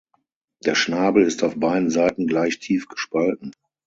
Der Schnabel ist auf beiden Seiten gleich tief gespalten.